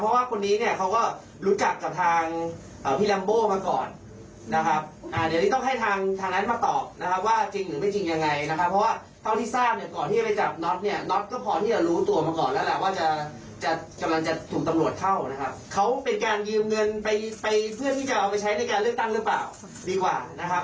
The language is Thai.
ว่าจะกำลังจะถูกตำรวจเข้านะครับเขาเป็นการยืมเงินไปเพื่อนที่จะเอาไปใช้ในการเลือกตั้งหรือเปล่าดีกว่านะครับ